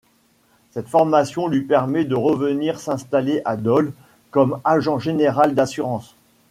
Cette formation lui permet de revenir s'installer à Dole comme agent général d'assurance.